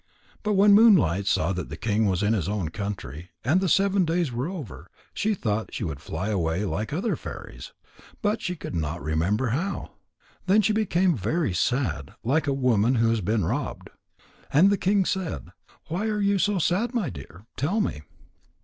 But when Moonlight saw that the king was in his own country, and the seven days were over, she thought she would fly away like other fairies. But she could not remember how. Then she became very sad, like a woman who has been robbed. And the king said: "Why are you so sad, my dear? Tell me."